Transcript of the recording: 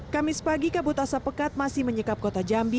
kamis pagi kabut asap pekat masih menyekap kota jambi